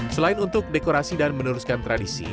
selain untuk dekorasi dan meneruskan tradisi